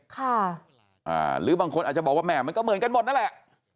ค่ะอ่าหรือบางคนอาจจะบอกว่าแม่มันก็เหมือนกันหมดนั่นแหละ